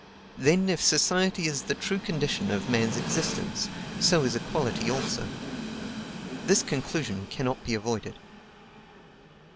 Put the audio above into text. Then, if society is the true condition of man's existence, so is equality also. This conclusion cannot be avoided.